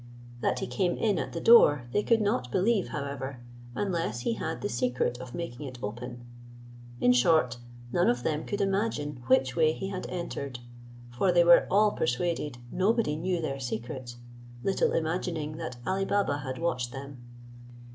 That he came in at the door they could not believe however, unless he had the secret of making it open. In short, none of them could imagine which way he had entered; for they were all persuaded nobody knew their secret, little imagining that Ali Baba had watched them.